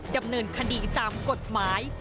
ดำเนินคดีตามกฎหมาย